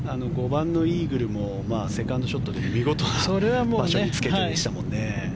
５番のイーグルもセカンドショットで見事な場所につけてでしたもんね。